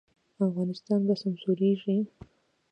افغانستان به سمسوریږي؟